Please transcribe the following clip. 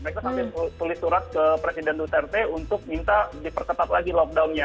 mereka sampai tulis surat ke presiden duterte untuk minta diperketat lagi lockdownnya